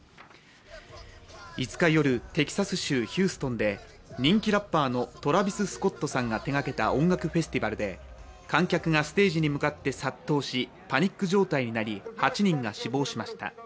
５日夜、テキサス州ヒューストンで人気ラッパーのトラビス・スコットさんが手がけた音楽フェスティバルで、観客がステージに向かって殺到しパニック状態になり８人が死亡しました。